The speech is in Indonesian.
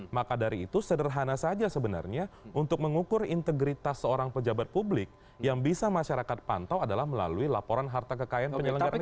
maka dari itu sederhana saja sebenarnya untuk mengukur integritas seorang pejabat publik yang bisa masyarakat pantau adalah melalui laporan harta kekayaan penyelenggara pemilu